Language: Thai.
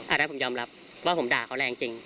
อันนั้นผมยอมรับว่าผมด่าเขาแรงจริง